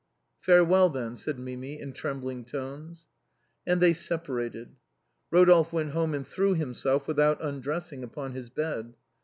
" Farewell, then," said Mimi, in trembling tones. And they separated. Rodolphe went home and threw himself, without undressing, upon his bed.